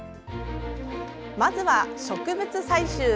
まずは植物採集。